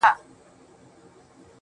دلته له هرې ښيښې څاڅکي د باران وځي~